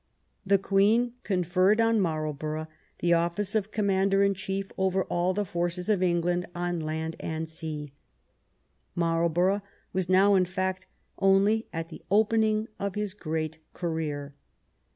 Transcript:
The Queen conferred on Marlborough the office of commander in chief over all the forces of England on land and sea. Marlbor ough was now, in fact, only at the opening of his great career.